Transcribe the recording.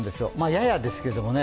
ややですけれども。